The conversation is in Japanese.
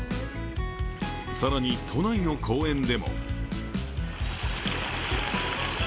更に、都内の公園でも。